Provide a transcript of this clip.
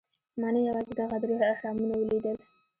ما نه یوازې دغه درې اهرامونه ولیدل.